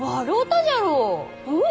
うん？